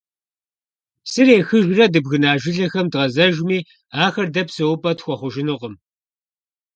Псыр ехыжрэ, дыбгына жылэхэм дгъэзэжми, ахэр дэ псэупӀэ тхуэхъужынукъым.